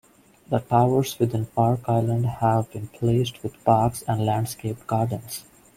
The towers within Park Island have been placed with parks and landscaped gardens.